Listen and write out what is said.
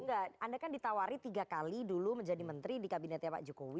enggak anda kan ditawari tiga kali dulu menjadi menteri di kabinetnya pak jokowi